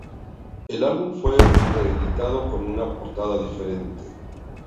El álbum fue reeditado con una portada diferente.